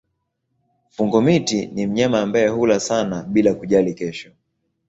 Fungo-miti ni mnyama ambaye hula sana bila kujali kesho.